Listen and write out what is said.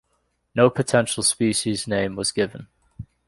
No potential species name was given.